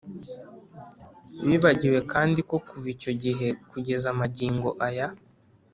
bibagiwe kandi ko, kuva icyo gihe kugeza magingo aya,